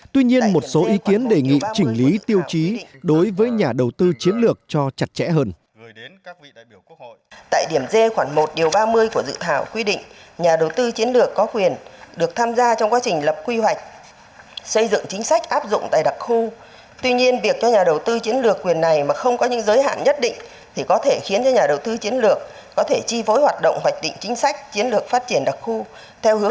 tuy nhiên một số ý kiến đề nghị chỉnh lý tiêu chí đối với nhà đầu tư chiến lược cho chặt chẽ hơn